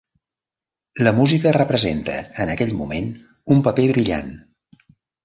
La música representa en aquell moment un paper brillant.